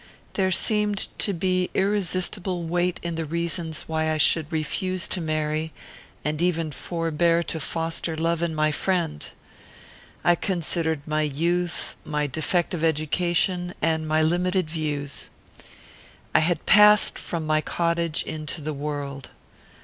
There seemed to be irresistible weight in the reasons why I should refuse to marry, and even forbear to foster love in my friend. I considered my youth, my defective education, and my limited views. I had passed from my cottage into the world.